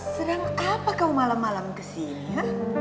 sering apa kau malam malam kesini ya